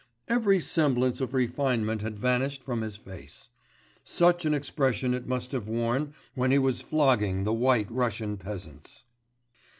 Every semblance of refinement had vanished from his face. Such an expression it must have worn when he was flogging the White Russian peasants.